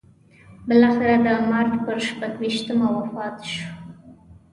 بالاخره د مارچ پر شپږویشتمه وفات شو.